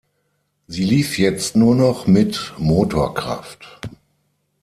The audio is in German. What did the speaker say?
Sie lief jetzt nur noch mit Motorkraft.